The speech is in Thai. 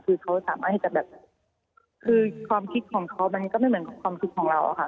คือเขาสามารถที่จะแบบคือความคิดของเขามันก็ไม่เหมือนความคิดของเราอะค่ะ